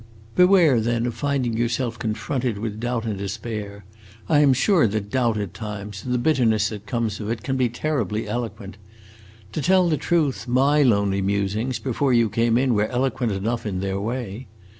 "Beware, then, of finding yourself confronted with doubt and despair! I am sure that doubt, at times, and the bitterness that comes of it, can be terribly eloquent. To tell the truth, my lonely musings, before you came in, were eloquent enough, in their way.